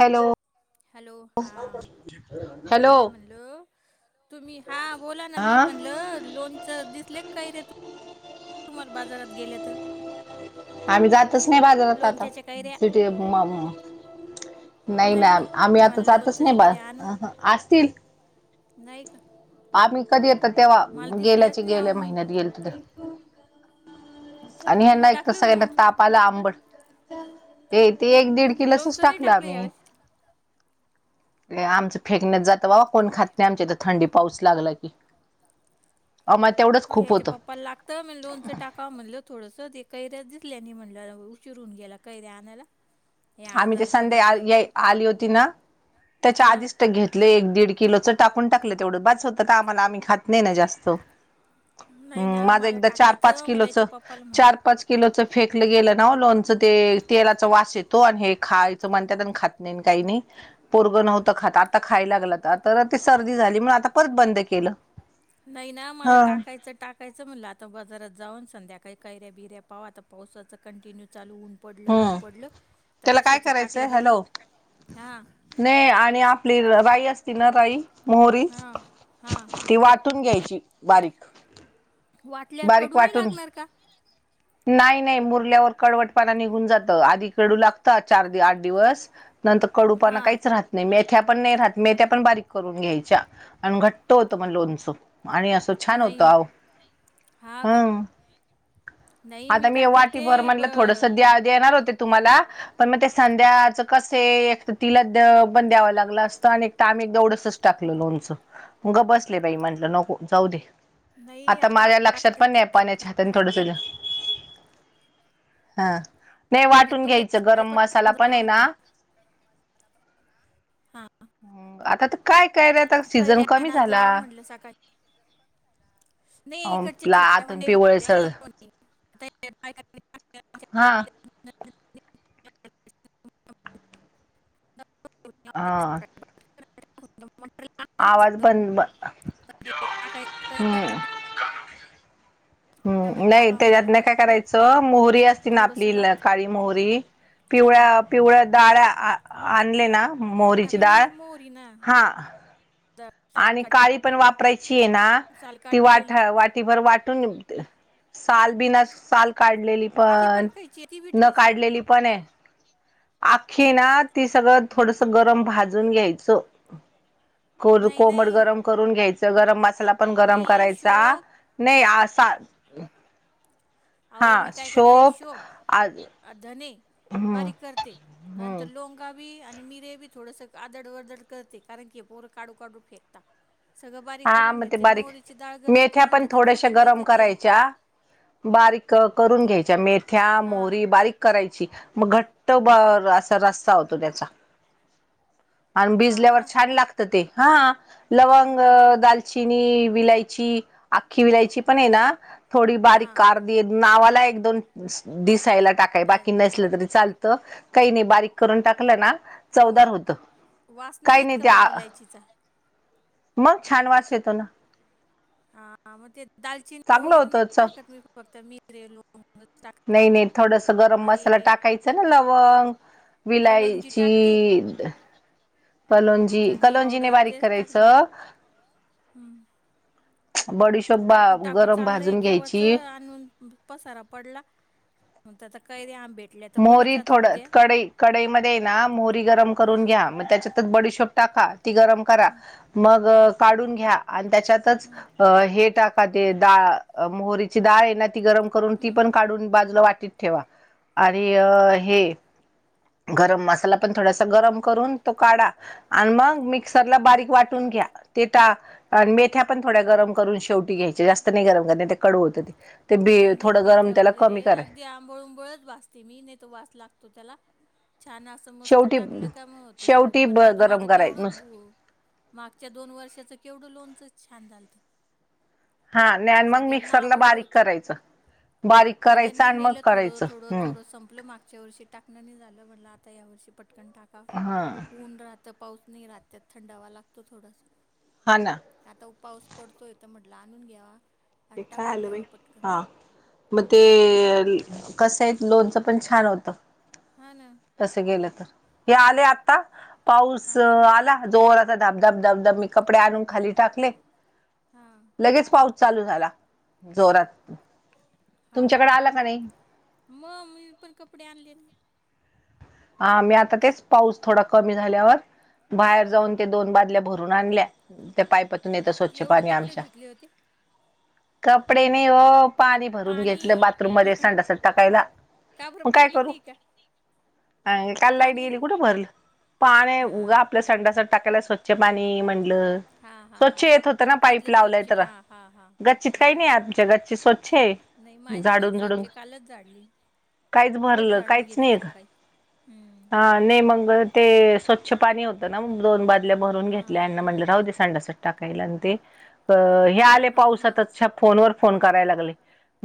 Hello hello हा मी hello काय म्हणलो तुम्ही हा बोला ना मी हा म्हणल लोनच दिसले काही र तुम्हाला बाजारात गेल्यात आम्ही जातच नाही बाजारात आता लोणच्याच्या कैऱ्या सिटी नाही ना का आम्ही मी आता म्हणलं जातच नाही बा हं ह असतील नाहीक आम्ही कधी येत तेव्हा दिसल्याच गेल्याचे नाही आहो गेल्या मी महिन्यात गेल तु तेे आणि तुम्ही ह्याना एक तर टाकलं का सगळ्यांना लोणचं तापाला आंबट ते ते एक दीड किलो सच लोणचं नाही टाकलं आम्ही यावेळेस आमचं फेकण्यात जात बावा कोण खात नाही आमच्या थंडी पाऊस लागला की आमा तेवढंच खूप होतं म्हण लोणचं टाका म्हणलं थोडस ते कैऱ्या दिसल्या आणि म्हटलं उशीिरून गेला कैऱ्या आणायला ह आम्ही ते संध्या आली होती ना त्याच्या हा आधीच तर घेत एक दीड किलो च टाकून टाकलं तेवढं बास होतं तर आम्हाला आम्ही खात नाही नाही जास्त नाही ना माझ मला एकदा चार पाच टाकायचं मला किलोच याच्या पप्पाला म्हणलं चार पाच किलोच फेकलं गेलं ना लोणचं ते तेलाचं वास येत आणि हे खायच म्हणतात आणि खात नाही काही नाही पोरगं नव्हत खात आता खाय लागलं तर तर ते सर्दी झाली म्हण आता परत बंद केलं नाही ना मला हा टाकायचं टाका ायचं म्हटलं आता बाजारात जाऊन संध्याकाळी कैऱ्या बिऱ्या पाव आता पावसाचं कंटिन्यू चालू उन पडलं ऊन हम्म पडलं तर त्याला काय कशाचं करायचंय टाकलं गेले हॅलो हां नाही आणि आपली राई असती ना राई मोहरी हां हां ती वाट कुटून घ्यायची बारीक वाटल्यावर बारीक कडू नाही वाटून लागणार का नाही नाही मुरल्यावर कडवटपाणा निघून जातं आधी कडू लागतं चार आठ दिवस नंतर कडूपणा हां काहीच राहत नाही मेथ्या पण नाही राहत मेथ्या पण बारीक करून घ्यायच्या आणि घट्ट होत मग लोणचं आणि असं छान नाही होतं आह हां का हम नाही आता मी काय वाटी करते भर ब म्हणलं थोडस द्या देणार होते तुम्हाला पण मग ते संध्याचं कसे एक तर तिला पण द्यावं लागलं असतं आणि आम्ही दवढंसच टाकलो लोणचं मग गप बसले बाई म्हंटलं नको जाऊ दे नाही आता माझ्या मला लक्षात पण टाकायचं नाही आहे येताना हात थोडस संध्याकाळी हा नाही वाटून तर उद्या घ्यायची सकाळी गरम मसाला पटकन पण जाऊ आहे ना म्हणलं हां आता तर काय काय रेता सीझन कैऱ्या कमी आणायला झाला जावा म्हटलं सकाळी नाही इकडचे आपल आतून पिवळसर आय हा हा मोट आवाज बंद ब [unintelligible] एवढं हम्म नाही टाकावं म्हणलं त्याच्यात नाही काय पटकन करायचं मोहरी असती ना थोडस आपली लागतं काळी मोहरी हा ना पिवळ्या पिवळ्या डाळ आणले ना हा मोरीची डाळ पिवळीच मोहरी ना हा द- साल आणि काढ- काळी पण वापरायची आहे ना साल ती वाट काढलेली वाट भर वाटून साल बिना साल काढलेली आखी पण खायची ती बी न खायची काढलेली पण आहे आखी ना ती सगळं थोडस गरम भाजून घ्यायचं को नाही कोमट नाही गरम करून घ्यायचं गरम मसाला पण गरम मी करायचा शोप नाही आ अहो मी काय करते शोप सोपं धने हम्म बारीक करते हम्म नंतर लोंगा बी आणि मिरे बी थोडस आदड वर्दड करते कारण की पोरं काडू काडू फेकतात सगळं बारीक हा करून मग ते घेते बारीक मोहरीची डाळ गरम मेथ्या करून पण त्याच्यात थोड्याशा ओतून गरम देते तेल करायच्या बारीक करून घ्यायच्या मेथ्या हां मोहरी बारीक करायची मग घट तो बघ असा रस्ता होतो त्याचा आणि हां भिजल्यावर का छान लागत ते हा अ हां ना दालचिनी विलायची आख्खी विलायची पण आहे ना थोडी हां बारीक आरधी नावाला एक दोन दिसायला टाकाय बाकी चालेल नसलं तरी चाल काही नाही बारीक करून टाकलं ना अहो चवदार होत काही नाही ते चिचा मग छान वास येतो ना हा मग ते दालचिनी चांगलं वगैरे होतं नाही चव टाकत मी फक्त मिरे लवंग टाकते नाही नाही थोडस गरम मसाला आणि टाकायचा ना लवंग कलौंजी विलायची टाकते कलोंजी कलोंजीनेे बारीक करायचं हम्म बडीशोप बा टाकू टाकू गरम चाललं भाजून केव्हाच घ्यायची आणून पसारा पडला मग कैरे आंबे मोहरी थोड कडई कडईमध्ये ना मोहरी गरम हा करून घ्या मग त्याच्या त्यात बडीशोप टाका ती गरम करा मग काढून घ्या आणि त्याच्यातच हम्म हे टाका ते डा मोहरीची डाळ आहे ना ती गरम करून ती हम्म पण हम्म काढून बाजूला वाटीत ठेवा आणि अ हे गरम मसाला पण थोडासा गरम करून तो काढा आणि मग हम्म मिक्सरला बारीक वाटून घ्या ती त्या मेथ्या पण थोड्या गरम करून शेवटी घ्यायच्या जास्त नाही गरम कर ते कडू होतं ते बी नाही नाही थोडं गरम मेथ्या त्याला वगैरे कमी करा अगदी आंबळ उंबळच भजत ते मी नेतो वास लागतो त्याला छान अस मस्त शेवटी टाकलं का मगत शेवटी ब शेवटपर्यंत आता माझं गरम करायच केवढच नुस दू मागच्या दोन वर्षाचं केवढं लोनच छान झालतं हा आणि मग सगळ्यांना मिक्सरला आवडल बारीक होत करायचं बारीक करायचं सगळ्यांनी आणि मग नेलं थोडं करायचं थोडं हम्म थोडं संपल माग मागच्या वर्षी टाकण नाही झालं म्हटल आता या वर्षी पटकन टाका हा ऊन राह आता पाऊस नाही रात्यात थंडावा लागतो थोडासा हा ना आता पाऊस पडतो येत म्हटलं आणून घ्यावा ते आणि काय टाकून आलं बाई द्यावा पटकन हा मग ते कसं आहे लोनचं पण छान होतं हा ना तस गेलं तर हे आले आता पाऊस हा का आला जोरात धाबधाब धबधब मी कपडे आणून खाली टाकले हां लगेच पाऊस चालू झाला जोरात हा को तुमच्याकडे आला का नाही मग मीपण कपडे आणनलेणे ह मी आता तेच पाऊस थोडा कमी झाल्यावर बाहेर हा जाऊन ते दोन बादल्या भर आणल्या त्या पापातून येत स्वच्छ एवढे पाणी कपडे आमच्या धुतले होते कपडे नाही ओ पाणी भरून घेतलं पाणी बाथरूम मध्ये संडसा टाकायला का बरं मग काय पाणी करू नाही का अ काल लाईट पाणी गेली नाही कुठं भरल पाणी हा उगा आपल्या संडास टाकायला स्वच्छ पाणी म्हणज हा [inaudible] हा हा स्वच्छ येत होतं ना पाईप गच्चीतलं लावलाय स्वच्छ तर... हा हा हा गच्चीत काई नाई आमच्या... गच्चीत स्वच्छ ए नाई... माझी पण स्वच्छ ए... कालच झाडली... काहीच रोज भरलं झाडून घेते सकाळी हूं हं... नई मग... ते स्वच्छ पाणी होतं ना... मग दोन बादल्या भरून हां घेतल्या... यांना म्हटलं राहू दे संडासात टाकायला अन ते हे आले हां हां पावसातच... छ... फोन वर फोन करायला लागले...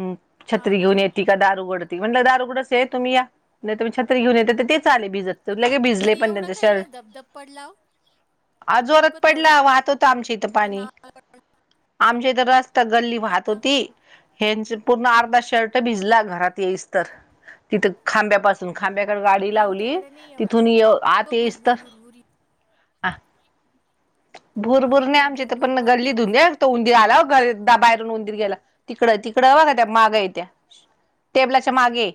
हूं... छत्री घेऊन ये ती का दार उघडती... म्हटलं दार उघडंच हे... तुम्ही या... नाई तर मी छत्री घेऊन येते... तर तेच आले भिजत तर लगी भिजले तरी पण... एवढा त्यांच काही नाही शर्ट धबधब पडला हो. आज जोरात उगं पडला... थोडासा वाहत होतं... आमच्या इथं पाणी नाव आमच्या इथं... रस्ता, गल्ली वाहत हां का होती ह्याचं पूर्ण... अर्धा शर्ट भिजला... घरात येईस स्तर... तिथं खांब्यापासून खांब्याकडे गाडी नाही, लावली... आमच्याकडे नाही एवढा तिथून यं... आत उगं येईस्तर भुरभुर भुरभुरी हा... भुरभुर नाई... आमच्या इथं भुरभुर पण गल्ली पडतो [unintelligible] लई नुसतं आलतं ऊन ते आल्यावर घरीत... पायातून उंदीर गेला... तिकडं तिकडं बघा... त्या मागं ए त्या... टेबलाच्या ति च्यामागे ए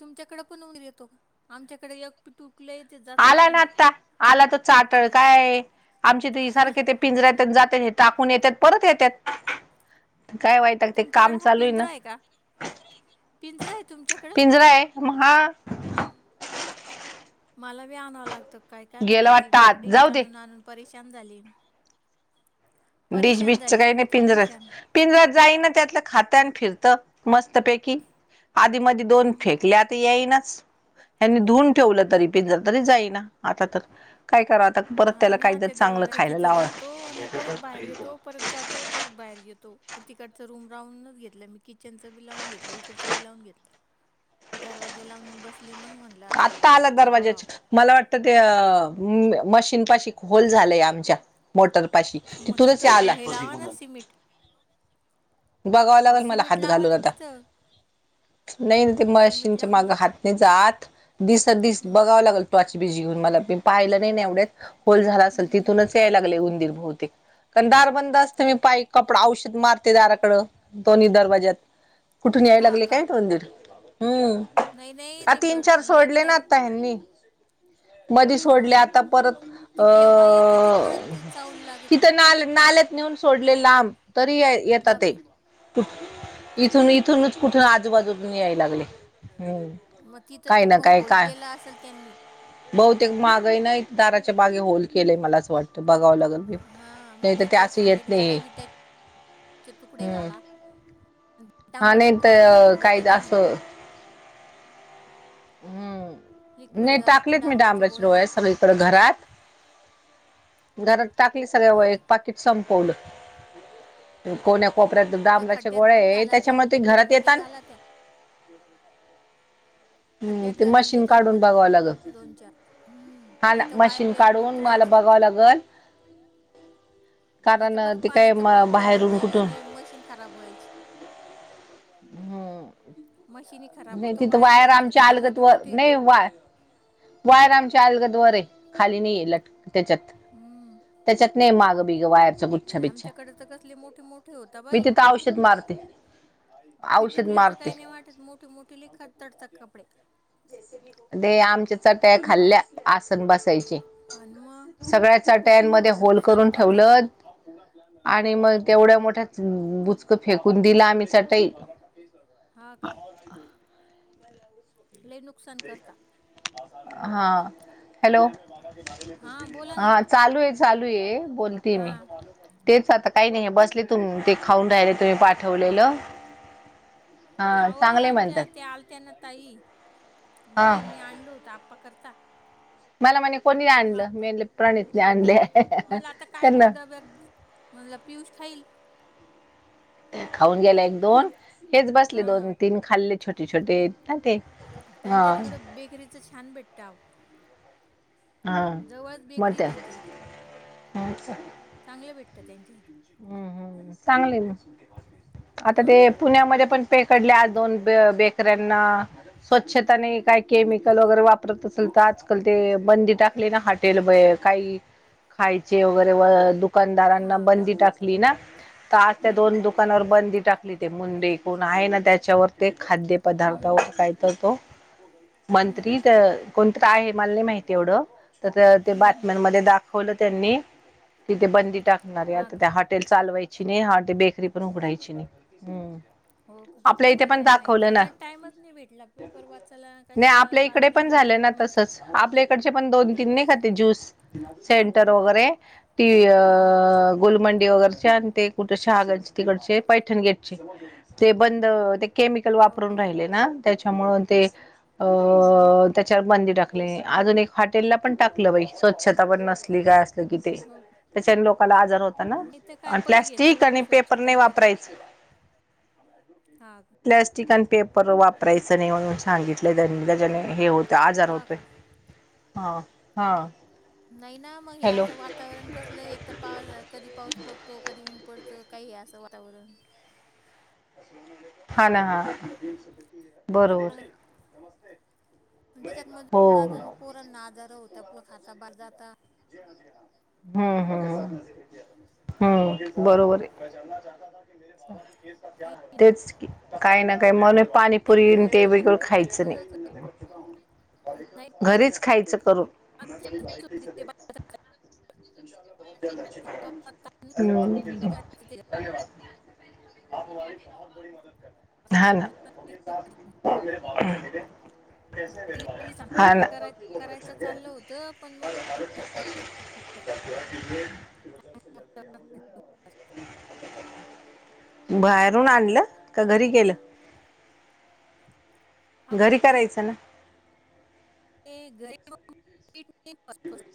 तुमच्याकडे पण उंदीर येतो का... आमच्याकडे एक पिटूक कलं... येतेत जा आला ना आत्ता... आला तो चाह्यटळ काय... आमचे ते सारखं ते पिंजऱ्यात... हे जातेत, टाकून येतात... परत येत्यात... काय वा ते तुमच्याकडे काम हा चालू ए ना... पिंजरा आहे का पिंजरा आहे तुमच्याकडं पिंजरा ए... मग हा... मला बी आणावं लागतं काय... काय गेला माहिती... ती वाटतं आत डिश जाऊ दे आणून आणून परेशान झाली मी डिश परेशान बिशचं झाली काय नाई... मी ते पिंजराच डिशान पिंजरात जाईना... त्यातलं खातं... आणि फिरतं मस्तपैकी आधी मधी दोन फेकले... आता येईनाच यांनी धुन ठेवलं तरी पिंजरा... तरी जाईना... आता तर... काय करावं हा ना... त्या देव्हाऱ्यात... तिथं जातो... आणि परत बाहेर येतो परत जातो परत बाहेर येतो... मग तिकडचं रूम लावूनच घेतलं मी... किचनचं बी लावून घेतलं... इकडचं बी लावून घेतलं दरवाजा लावून बसले मग... म्हणलं आता आत्ता हे... आला आवरावं दरवाज्याच्या मला वाटतं त्या... म न पाशी होल झालाय आमच्या, मोटर पाशी... मग तिथूनच हा तिथं आला हे लावा ना सिमेंट बघावं अहो लागल मला, सिमेंट हात लावा घालून आता तिथं नई न ते सिमेंट मशीनच्या लावून मागं द्यायच हात नई जात... दिसन... दिस हां बघावं लागल टॉर्च बीच घेऊन मला... मी पाहिलं नाही ना एवढ्यात... होल झाला असल हम्म, हम्म. तिथूनच याय लागले ऊंदीर बहुतेक... कारण दार बंद असतं... मी... पा... कपडा... औषध मारते दारात कडं... दोन्ही दरवाज्यात... कुठून याय हा लागले का काय नु उंदीर हम्म... नाही नाही आ... ते तीन ब चार एक सोडले ना तर आता ह्यांनी [unintelligible] मधी सोडल्या... हां आता परत... ते अ... केव्हा येतं ते कळत नाही चावल लागत नाही तिथं ना... नाल्यात नेऊन सोडले लांब... तरी बापरे येतातेत... इथून इथूनच कुठं आजूबाजूूकनी याय लागले हम्म.. मग... तिथं काय तर ना मग काय होल काय केलं असल त्यांनी बहुतेक मागं ए ना... एक दाराच्या मागे होल केलेय... मला असं वाटतं ते बघावं लागल.... नाई तर ते असं येत नई चे तुकडे घाला... हा डांबराच्या नाही गोळ्या तर घालून द्या काही त्याच्या मधे असं हम्म... लिक्विड नई... घालून टाकल्यात मी डांबराच्या गोळ्या घाला सगळीकडं घरात घरात टाकली सगळ्या... व हां एक पाकिट संपवलय... कोन्या कोपऱ्यात त्या डांबराच्या खड्ड्यात गोळ्या पण हेत घाला त्या... होल मधे घाला त्या त्याच्यामुळे ते घरात येतात हम्म खड्ड्यात ते घालून द्या मशीन त्या काढून खोलमधे... बघावं लागल दोन चार... हम्म हा नाही ना तर वाय मशीन बिअर काढून मला कोुंतळायची बघावं लागल नाही तर कारण परत ते काय पाण्याचा प्रॉब्लेम होऊन बाहेरून जाईल कुठून आणि मशीन ख हम्म म नाही तिथं वायर आमच्या आलगत व नाही वा.. वायर आमच्या अलगदवरार आहे, खाली नाही आहे लटक त्याच्यात- हम्म.. त्याच्यात नाही माग बिग वायरचा गुच्छा बिच्छा आमच्याकडे तर कसले मोठे मोठे होता मी बाई तिथं औषध मारते औषध पिटुकल्याचं मारते काही नाही वाटत मोठे मोठे लेखात तडतात कपडे डे आमच्या चट्या खाल्ल्या आसन बसायचे. आणि मग सगळ्याचाट्यांमध्ये होल नुकसान करून करता ते ठेवलं आणि मग तेवढ्या मोठ्या बुचक फेकून दिला आम्ही चटई हा. का? लई नुक हा.. हॅलो!.. हां बोला ना हा चालू आहे चालू आहे, बोलतेय मी हां तेच आता काही नाही बसले तुम ते खाऊन राहिले तुम्ही पाठवलेलं. हा अहो!.. चांगले आमच्या म्हणतात त्या आलत्याना ताई मग हा त्यांनी आणलो होत आप्पा करता. मला म्हणे कोणी मग आणलं.. आप्पा मी म्हणल प्रणितले आणले.. त्यांना व.. म्हणलं.. पियुष खाईल. खाऊन गेला एक दोन, हेच बसले दोन हां तीन खाल्ले छोटे छोटे ना ते हा त्यांच्या तिकडं बेकरीचं छान भेटताव. हा जवळच मग बेकरी त्या त्यांच्या इथं.. हम्म चांगलं भेटत त्यांच्या इथं हम्म.. हम्.. चांगले आहे आता ते हां पुण्यामध्ये पण पेकडल्या दोन.. ब.. बेकऱ्यांना.. स्वच्छता नई काय केमिकल वगैरे वापरत असेल तर आज ते बंदी टाकली ना हॉटेल काही.. खायचे वगैरे.. दु दुकानदारांना हा का बंदी टाकली ना, तर आज त्या हम्म दोन दु हम्म दुकवर बंदी टाकली ते मुंडे कोण आहे ना त्याच्यावर ते खाद्य हम्म पदार्थ हम्म काय तर तो हम्म मंत्री हम्म त्या कोणत आहे मला नाही माहिती एवढं त ते हम्म हम्म बातम्यांमध्ये दाखवलं त्यांनी तिथ बंदी टाकणार हा का हॉटेल चालवायची नाही ह बेकरी पण उघडायची नाही हम् हो.. का? मला काही माहिती नाही टाइमच नाही भेटला पेपर वाचायला कशाला बातम्या नाही टीव्ही म्हण आपल्याकडचे पण दोन- तीन नाही का ते ज्यूस? हा का सेंटर वगैरे टी अ हा गुोलमंडी वगैरेचे आणि ते कुठे शहागालचे तिकडचे पैठण गेटचे, ते बंद केमिकल हो वापरून का राहिले ना त्याच्यामुळे ते अ.. हम्म त्याच्यावर बंदी टाक अजून एक हॉटेल ला पण टाकलं बाई स्वच्छता पण नसली काय कि ते हो का त्याच्याने लोकाला आजार होता ना नाही तर काय आणि पैसे घेता प्लॅस्टिक लोक आणि पेपर स्वच्छता नाही करत वापरायच च.. हा प्लॅस्टिक आणि पेपर वापरायचं नाही म्हणून सांगितलं त्यांनी त्याच्याने हे होत ते आजार हा होतोय का हा हा नाही ना मग हे हॅलो असं वातावरण कसलं एक तर पा कधी पाऊस पडतो कधी ऊन पडतं काही आहे असं वातावरण हा ना हा बरोबर आलंय. त्याच्यात हो मजूननादून पोरना आजर होता पो खता भर जाता. हम्म.. हम.. हम्म बरोबर आहे. आहे की नाही? तेच की काही ना काही मने पाणीपुरी आणि ते त्याच्यामुळं तर वेगळं खायचं नाही. म्हणूनच नाही बाई, घरीच खायचं करून. संधीच होती ते बाहेर जायला. ते बाबा ताणून काय करायचं ते [unintelligible] [unintelligible] असं हा ना. म्हणूनच ते काय करत नाही. आणि इडली [unintelligible] हा सांबार ना [unintelligible] करायचं करायचं चाललं होतं पण मग ते पीठ मळलं. [unintelligible] बाहेरून आणलं का घरी गेलं. घरी करायचं ना. ते [unintelligible]